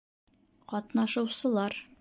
Ҡатнашыусылар